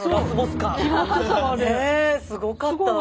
すごかったわね。